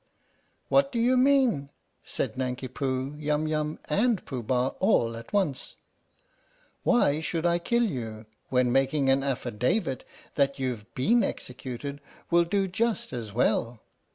" "What do 'you mean?" said Nanki Poo, Yum Yum, and Pooh Bah all at once. " Why should I kill you when making an affidavit that you've been executed will do just as well?